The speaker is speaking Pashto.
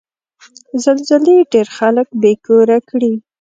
زلزلې ډېر خلک بې کوره کړي.